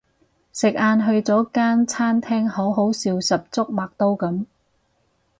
食晏去咗間餐廳好好笑十足麥兜噉